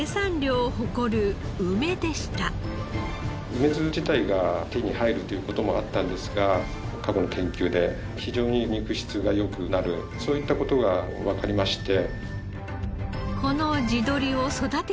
梅酢自体が手に入るっていう事もあったんですが過去の研究で非常に肉質が良くなるそういった事が分かりまして。